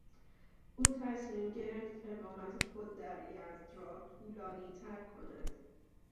او تصمیم گرفت اقامت خود در یزد را طولانیتر کند.